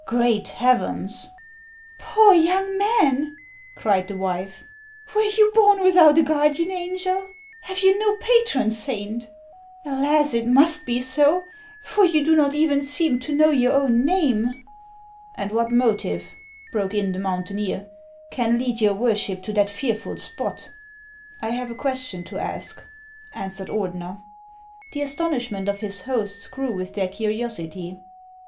Great Heavens !"" Poor young man !" cried the wife ;" were you born without a guardian angel ? Have you no patron saint ? Alas ! it must be so ; for you do not even seem to know your own name." "And what motive," broke in the mountaineer, "can lead your worship to that fearful spot ?"" I have a question to ask," answered Ordener. The astonishment of his hosts grew with their curiosity.